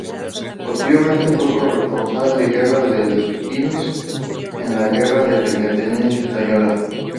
Posteriormente fue corresponsal de guerra del "Times" en la Guerra de la Independencia Española.